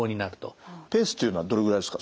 ペースというのはどれぐらいですか？